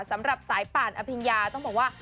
สำหรับสายป่านอภิญญาต้องบอกว่า